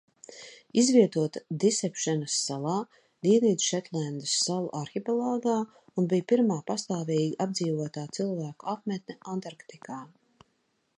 Izvietota Disepšenas salā Dienvidšetlendas salu arhipelāgā un bija pirmā pastāvīgi apdzīvotā cilvēku apmetne Antarktikā.